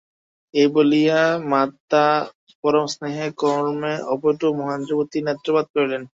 এই বলিয়া মাতা পরমস্নেহে কর্মে অপটু মহেন্দ্রের প্রতি নেত্রপাত করিলেন।